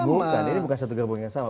bukan ini bukan satu gabung yang sama